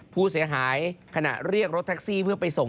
ผู้เสียหายขณะเรียกรถแท็กซี่เพื่อไปส่ง